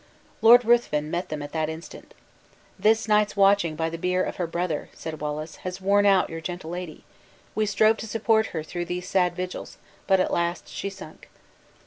Lord Ruthven met them at that instant. "This night's watching by the bier of her brother," said Wallace, "has worn out your gentle lady; we strove to support her through these sad vigils, but at last she sunk."